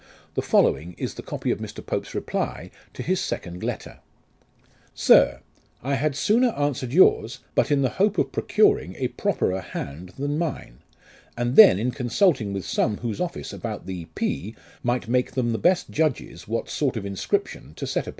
The following is the copy of Mr. Pope's reply to his second letter :" SIR : I had sooner answered yours, but in the hope of procuring a pro perer hand than mine ; and then in consulting with some whose office about the P might make them the best judges what sort of inscription to set up.